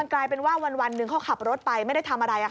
กลายเป็นว่าวันหนึ่งเขาขับรถไปไม่ได้ทำอะไร